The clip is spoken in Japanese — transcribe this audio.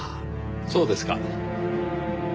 そうですか。